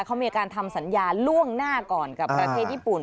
เขามีการทำสัญญาล่วงหน้าก่อนกับประเทศญี่ปุ่น